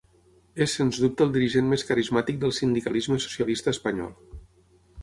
És sens dubte el dirigent més carismàtic del sindicalisme socialista espanyol.